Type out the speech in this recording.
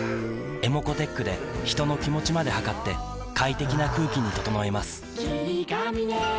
ｅｍｏｃｏーｔｅｃｈで人の気持ちまで測って快適な空気に整えます三菱電機